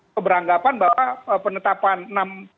keberanggapan bahwa penetapan